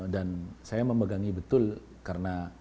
dan saya memegangi betul karena